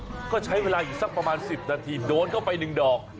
เราใช้เวลาอีกประมาณ๑๐นาทีโดนเข้าไปหนึ่งดอก